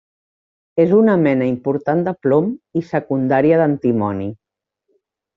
És una mena important de plom, i secundària d'antimoni.